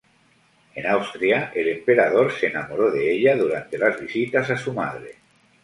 En Austria, el emperador se enamoró de ella durante las visitas a su madre.